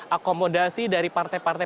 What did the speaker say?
akomodasi dari partai partai